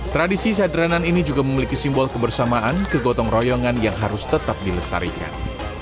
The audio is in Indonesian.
tradisi sadranan ini juga memiliki simbol kebersamaan kegotong royongan yang harus tetap dilestarikan